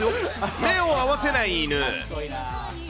目を合わせない犬。